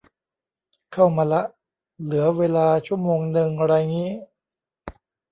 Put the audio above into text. เข้ามาละ เหลือเวลาชั่วโมงนึงไรงี้